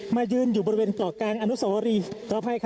มายืนอยู่บริเวณเกาะกลางอนุสาวรี